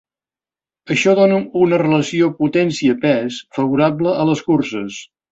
Això dona una relació potència-pes favorable a les curses.